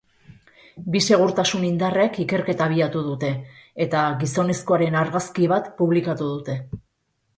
Bi segurtasun indarrek ikerketa abiatu dute, eta gizonezkoaren argazki bat publikatu dute.